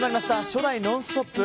初代「ノンストップ！」